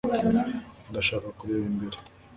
ndashaka kureba imbere